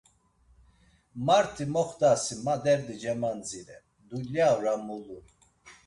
Mart̆i moxtasi ma derdi cemanziren, dulya ora mulun.